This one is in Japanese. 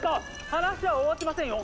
話は終わってませんよ！